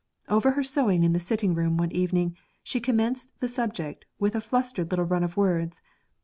Over her sewing in the sitting room one evening she commenced the subject with a flustered little run of words.